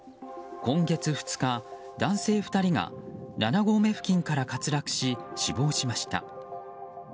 今月２日、男性２人が７合目付近から滑落し死亡しました。